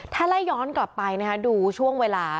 ถ้าไล่ย้อนกลับไปดูช่วงเวลา